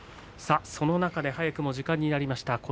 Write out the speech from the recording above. その中で早くも時間になりました。